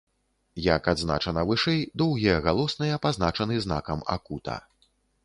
Як адзначана вышэй, доўгія галосныя пазначаны знакам акута.